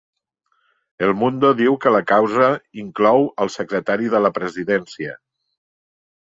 El Mundo diu que la causa inclou al secretari de la Presidència